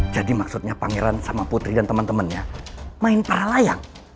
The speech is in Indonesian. jadi maksudnya pangeran sama putri dan temen temennya main para layang